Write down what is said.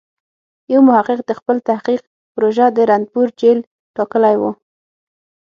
یو محقق د خپل تحقیق پروژه د رنتبور جېل ټاکلی و.